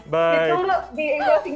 insya allah silahkan datang